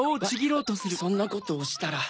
そんなことをしたら。